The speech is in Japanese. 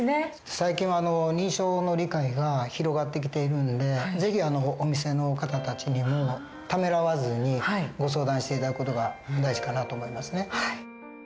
最近は認知症の理解が広がってきているんで是非お店の方たちにもためらわずにご相談して頂く事が大事かなと思いますね。